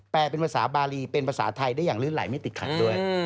เป็นภาษาบารีเป็นภาษาไทยได้อย่างลื่นไหลไม่ติดขัดด้วย